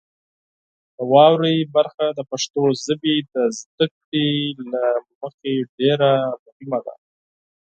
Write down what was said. د واورئ برخه د پښتو ژبې د زده کړې له مخې ډیره مهمه ده.